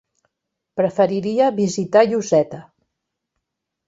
Preferiria visitar Lloseta.